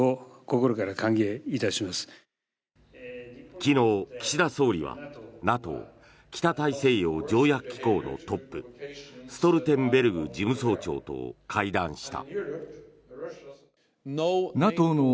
昨日、岸田総理はＮＡＴＯ・北大西洋条約機構のトップストルテンベルグ事務総長と会談した。